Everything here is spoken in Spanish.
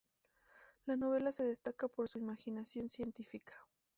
La novela se destaca por su imaginación científica.